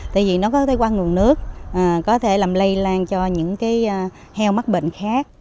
tại vì nó có thể qua nguồn nước có thể làm lây lan cho những cái heo mắc bệnh khác